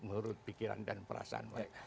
menurut pikiran dan perasaan mereka